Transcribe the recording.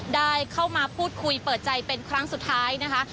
ได้เข้ามาพูดคุยเปิดใจเป็นครั้งสุดท้ายนะคะ